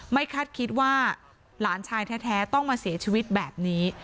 คาดคิดว่าหลานชายแท้ต้องมาเสียชีวิตแบบนี้